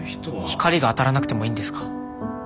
光が当たらなくてもいいんですか？